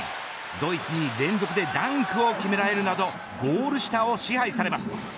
ドイツに連続でダンクを決められるなどゴール下を支配されます。